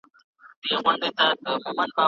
دې نجلۍ ډیرې خبرې کولې.